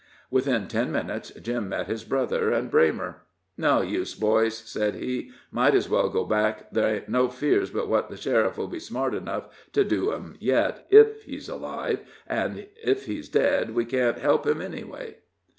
Within ten minutes Jim met his brother and Braymer. "No use, boys," said he, "might as well go back, There ain't no fears but what the sheriff'll be smart enough to do 'em yet, if he's alive, an' if he's dead we can't help him any."